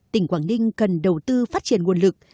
tỉnh quảng ninh cần đầu tư phát triển nguồn lực